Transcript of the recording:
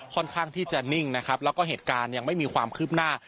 ค่อนข้างที่จะนิ่งนะครับแล้วก็เหตุการณ์ยังไม่มีความคืบหน้า